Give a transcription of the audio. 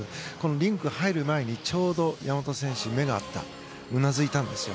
リンクに入る前にちょうど山本選手と目が合ったうなずいたんですよ。